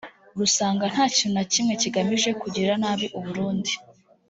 rusanga nta kintu na kimwe kigamije kugirira nabi u Burundi